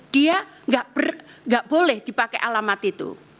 dia tidak boleh dipakai alamat itu